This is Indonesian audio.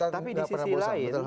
tapi di sisi lain